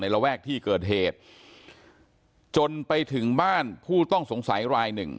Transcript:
ระแวกที่เกิดเหตุจนไปถึงบ้านผู้ต้องสงสัยรายหนึ่ง